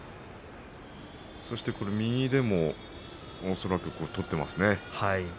そして右でも恐らく取っていますね。